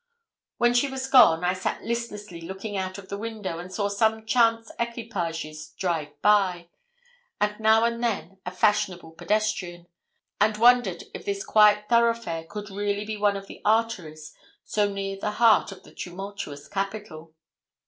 When she was gone, I sat listlessly looking out of the window, and saw some chance equipages drive by, and now and then a fashionable pedestrian; and wondered if this quiet thoroughfare could really be one of the arteries so near the heart of the tumultuous capital.